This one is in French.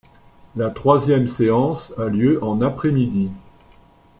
La troisième séance a lieu en après-midi.